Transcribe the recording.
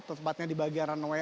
tempatnya di bagian runway